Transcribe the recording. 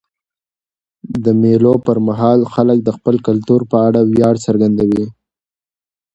د مېلو پر مهال خلک د خپل کلتور په اړه ویاړ څرګندوي.